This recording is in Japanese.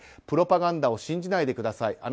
プロパガンダを信じないでください。